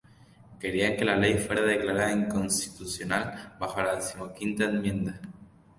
Querían que la ley fuera declarada inconstitucional bajo la Decimoquinta Enmienda.